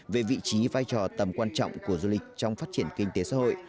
về vị trí vai trò tầm quan trọng của du lịch trong phát triển kinh tế xã hội